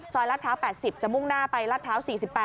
รัฐพร้าว๘๐จะมุ่งหน้าไปลาดพร้าว๔๘